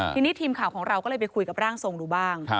ทีนี้ทีมข่าวของเราก็เลยไปคุยกับร่างทรงดูบ้าง